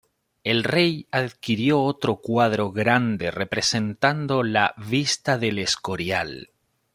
El rey adquirió otro cuadro grande representando la "Vista del Escorial".